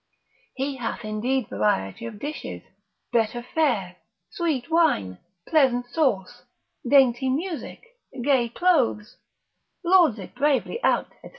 He hath indeed variety of dishes, better fare, sweet wine, pleasant sauce, dainty music, gay clothes, lords it bravely out, &c.